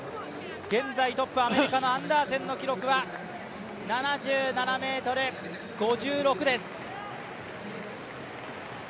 現在トップ、アメリカのアンダーセンの記録は７７ｍ５６です。